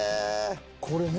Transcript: これね。